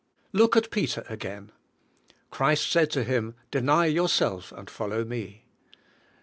Look at Peter again. Christ said to him, "Deny 3'Ourself, and follow me."